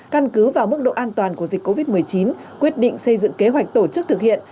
căn cứ vào mức độ an toàn của dịch covid một mươi chín quyết định xây dựng kế hoạch tổ chức thực hiện